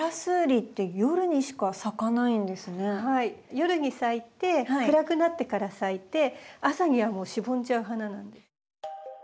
夜に咲いて暗くなってから咲いて朝にはもうしぼんじゃう花なんです。